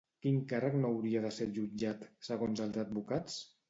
Quin càrrec no hauria de ser jutjat, segons els advocats?